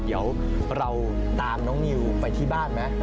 เดี๋ยวเราตามน้องนิวไปที่บ้านไหม